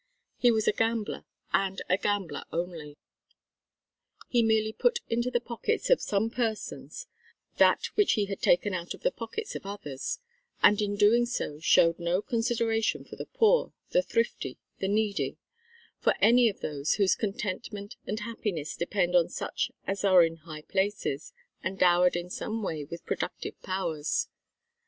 He was a gambler, and a gambler only. He merely put into the pockets of some persons that which he had taken out of the pockets of others; and in doing so showed no consideration for the poor, the thrifty, the needy for any of those whose contentment and happiness depend on such as are in high places and dowered in some way with productive powers.